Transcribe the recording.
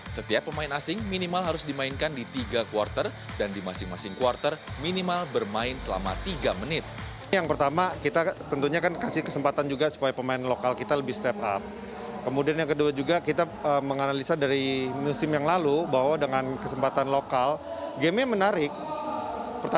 setiap pemain asing minimal harus dimainkan di tiga kuarter dan di masing masing quarter minimal bermain selama tiga menit